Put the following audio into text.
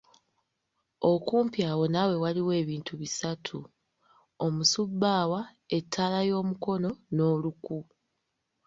Okumpi awo naawe waliwo ebintu bisatu, omusubbaawa, ettaala y’omukono n’oluku.